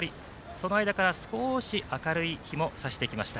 その間から少し明るい光も差してきました。